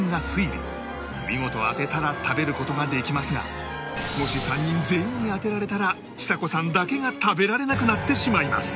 見事当てたら食べる事ができますがもし３人全員に当てられたらちさ子さんだけが食べられなくなってしまいます